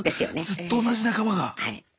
ずっと同じ仲間が。